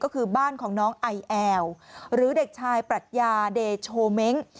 ก็คือบ้านของน้องไอแอลหรือเด็กชายปรัชญาเดโชเม้ง